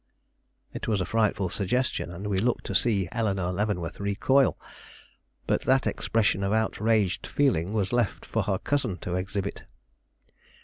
It was a frightful suggestion, and we looked to see Eleanore Leavenworth recoil. But that expression of outraged feeling was left for her cousin to exhibit.